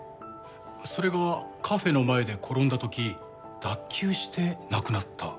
それがカフェの前で転んだ時脱臼して亡くなった。